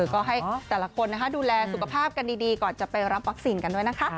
ก็ให้แต่ละคนดูแลสุขภาพกันดีก่อนจะไปรับวัคซีนกันด้วยนะคะ